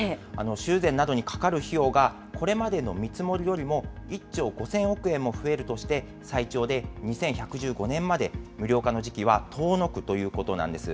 修繕などにかかる費用が、これまでの見積もりよりも１兆５０００億円も増えるとして、最長で２１１５年まで無料化の時期は遠のくということなんです。